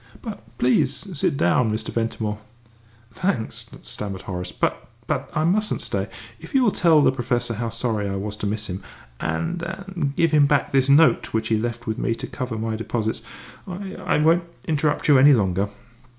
But, please sit down, Mr. Ventimore." "Thanks," stammered Horace, "but but I mustn't stay. If you will tell the Professor how sorry I was to miss him, and and give him back this note which he left with me to cover any deposit, I I won't interrupt you any longer."